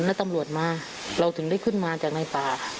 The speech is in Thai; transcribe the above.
แล้วตำรวจมาเราถึงได้ขึ้นมาจากในป่า